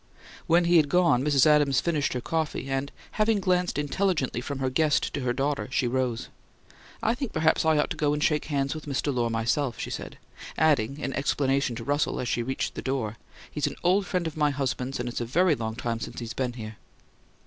When he had gone, Mrs. Adams finished her coffee, and, having glanced intelligently from her guest to her daughter, she rose. "I think perhaps I ought to go and shake hands with Mr. Lohr, myself," she said, adding in explanation to Russell, as she reached the door, "He's an old friend of my husband's and it's a very long time since he's been here."